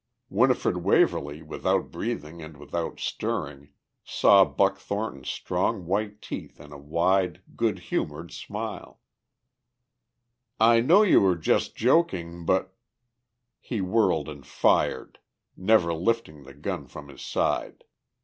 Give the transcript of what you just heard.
Winifred Waverly, without breathing and without stirring, saw Buck Thornton's strong white teeth in a wide, good humoured smile. "I know you were just joking but..." He whirled and fired, never lifting the gun from his side.